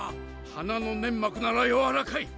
鼻の粘膜ならやわらかい。